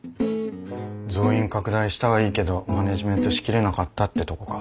増員拡大したはいいけどマネージメントしきれなかったってとこか。